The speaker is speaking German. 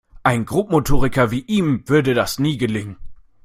Einem Grobmotoriker wie ihm würde das nie gelingen.